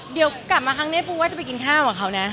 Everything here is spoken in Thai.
เดี๋ยวกลับมาครั้งนี้ปูว่าจะไปกินข้าวกับเขานะ